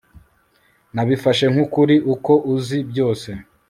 Nabifashe nkukuri ko uzi byose